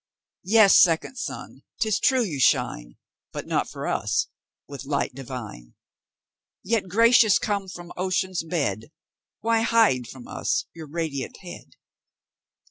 Yes, second sun! 'tis true you shine, But not for us, with light divine! Yet gracious come from ocean's bed; Why hide from us your radiant head?